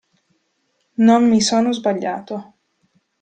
Non mi sono sbagliato.